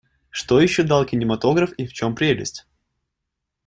Что еще дал кинематограф и в чем прелесть?